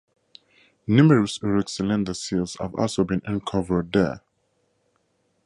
Numerous Uruk cylinder seals have also been uncovered there.